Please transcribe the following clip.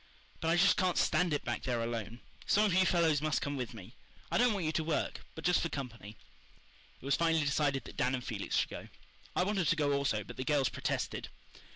But I just can't stand it back there alone. Some of you fellows must come with me. I don't want you to work, but just for company." It was finally decided that Dan and Felix should go. I wanted to go also, but the girls protested.